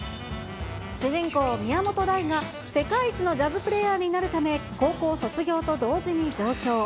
主人公、宮本大が、世界一のジャズプレーヤーになるため、高校卒業と同時に上京。